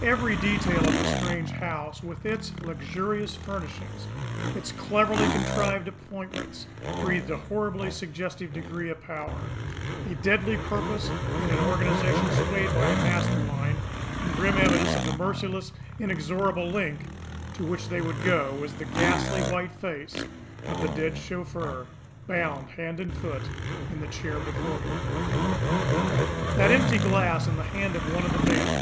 Every detail of the strange house, with its luxurious furnishings, its cleverly contrived appointments, breathed a horribly suggestive degree of power, a deadly purpose, and an organisation swayed by a master mind; and, grim evidence of the merciless, inexorable length to which they would go, was the ghastly white face of the dead chauffeur, bound hand and foot, in the chair before him! That EMPTY glass in the hand of one of the men!